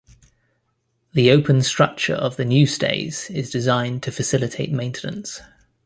The open structure of the new stays is designed to facilitate maintenance.